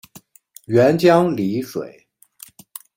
沅江澧水